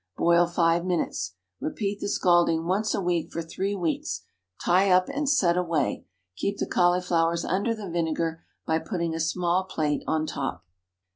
Boil five minutes. Repeat the scalding once a week for three weeks; tie up and set away. Keep the cauliflowers under the vinegar by putting a small plate on top.